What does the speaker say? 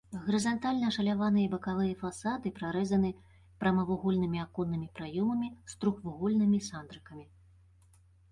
Гарызантальна ашаляваныя бакавыя фасады прарэзаны прамавугольнымі аконнымі праёмамі з трохвугольнымі сандрыкамі.